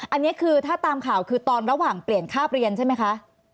อันนี้คือถ้าตามข่าวคือตอนระหว่างเปลี่ยนคาบเรียนใช่ไหมคะ